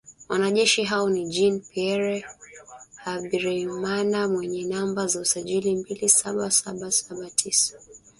Wanajeshi hao ni “Jean Pierre Habyarimana mwenye namba za usajili mbili saba saba saba tisa.